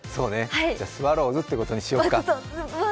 じゃ、スワローズってことにしようか。